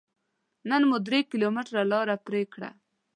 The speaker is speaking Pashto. نن مو درې کيلوميټره لاره پرې کړه.